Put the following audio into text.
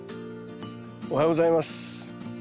おはようございます。